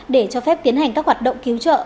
để cho phép tiến hành các hoạt động cứu trợ